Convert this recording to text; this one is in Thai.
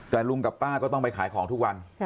แต่ลุงกับป้าก็ต้องไปขายของทุกวัน